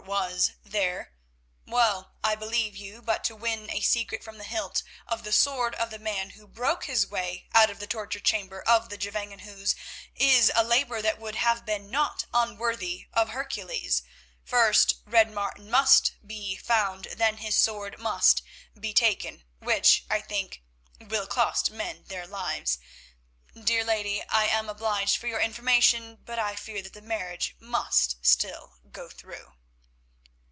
"Or was there. Well, I believe you, but to win a secret from the hilt of the sword of the man who broke his way out of the torture chamber of the Gevangenhuis, is a labour that would have been not unworthy of Hercules. First, Red Martin must be found, then his sword must be taken, which, I think, will cost men their lives. Dear lady, I am obliged for your information, but I fear that the marriage must still go through."